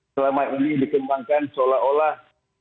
selama ini dikembangkan seolah olah